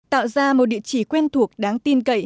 tạo ra một địa chỉ quen thuộc đáng tin